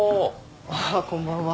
あっこんばんは。